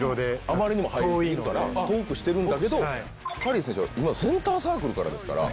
あまりにも入り過ぎるから遠くしてるんだけどカリー選手は今センターサークルからですから。